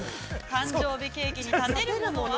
「誕生日ケーキに立てるものは？」。